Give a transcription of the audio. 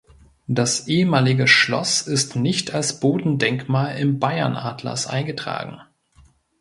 Das ehemalige Schloss ist nicht als Bodendenkmal im Bayernatlas eingetragen.